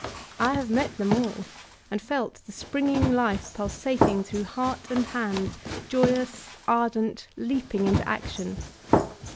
I have met them all, and felt the springing life pulsating through heart and hand, joyous, ardent, leaping into action.